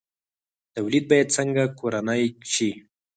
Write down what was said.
تولید باید څنګه کورنی شي؟